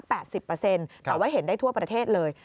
แต่ว่าเห็นได้ทั่วประเทศเลย